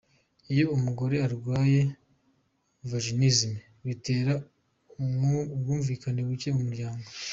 Iyo umugore arwaye Vaginisme bitera ubwumvikane buke mu muryango.